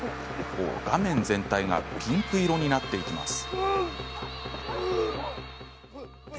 画面全体がピンク色になっていきます。